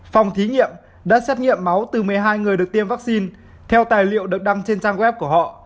phòng thí nghiệm đã xét nghiệm máu từ một mươi hai người được tiêm vaccine theo tài liệu được đăng trên trang web của họ